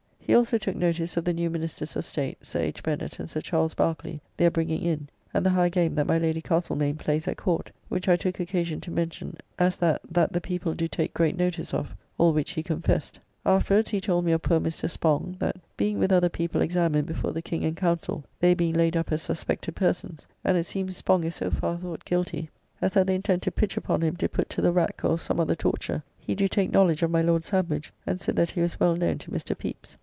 He also took notice of the new Ministers of State, Sir H. Bennet and Sir Charles Barkeley, their bringing in, and the high game that my Lady Castlemaine plays at Court (which I took occasion to mention as that that the people do take great notice of), all which he confessed. Afterwards he told me of poor Mr. Spong, that being with other people examined before the King and Council (they being laid up as suspected persons; and it seems Spong is so far thought guilty as that they intend to pitch upon him to put to the wracke or some other torture), he do take knowledge of my Lord Sandwich, and said that he was well known to Mr. Pepys.